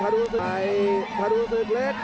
ต่อไปภรุศึกเล็ก